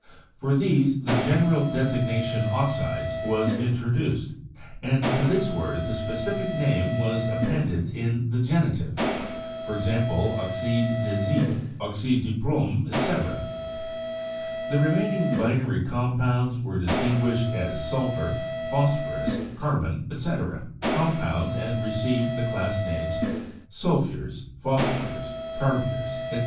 For these the gen eral designation 'oxides' was introduced, and to this word the specific name was appended in the genitive; for ex ample, 'oxide de zinc/ 'oxide de plomb,' etc. The remaining binary compounds were distinguished as sulphur, phosphorus, carbon, etc., compounds, and received the class names 'sulfures/ 'phosphures,' 'carbures/ etc.